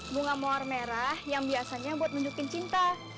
bunga moar merah yang biasanya buat menunjukkan cinta